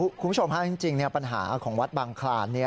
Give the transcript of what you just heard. คุณผู้ชมฮะจริงปัญหาของวัดบางคลาน